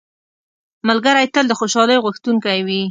ملګری تل د خوشحالۍ غوښتونکی وي